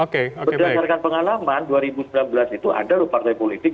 berdasarkan pengalaman dua ribu sembilan belas itu ada loh partai politik